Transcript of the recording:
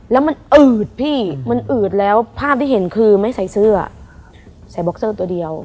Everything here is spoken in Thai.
แล้วมันอืดพี่มันอืดแล้วภาพที่เห็นคือไม่ใส่เสื้อใส่บ็อกเซอร์ตัวเดียว